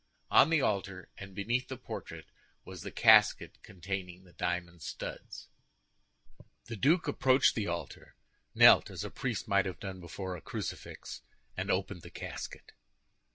On the altar, and beneath the portrait, was the casket containing the diamond studs. The duke approached the altar, knelt as a priest might have done before a crucifix, and opened the casket.